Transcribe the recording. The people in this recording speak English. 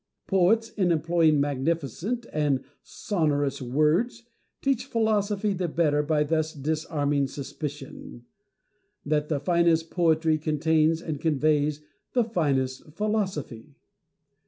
Poets, in employing magnificent and sonorous words, teach philosophy the better by thus disarming suspicion that the finest poetry contains and conveys the finest philosophy.